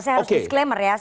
saya harus disclaimer ya